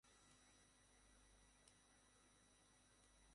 কিন্তু তারা নবীকে মিথ্যাবাদী সাব্যস্ত করে হত্যা করে ফেলে।